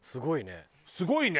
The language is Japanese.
すごいね。